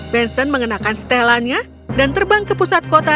benson mengenakan stellanya dan terbang ke pusat kota